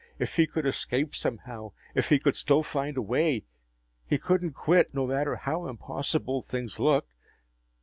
If he could escape, somehow ... if he could still find a way.... He couldn't quit, no matter how impossible things looked.